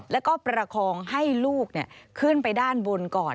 แล้วก็ประคองให้ลูกขึ้นไปด้านบนก่อน